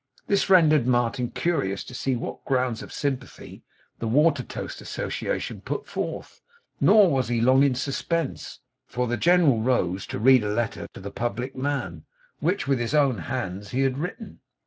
This rendered Martin curious to see what grounds of sympathy the Watertoast Association put forth; nor was he long in suspense, for the General rose to read a letter to the Public Man, which with his own hands he had written.